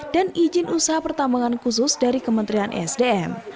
dan izin usaha pertambangan khusus dari kementerian esdm